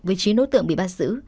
với chí nối tượng bị bắt giữ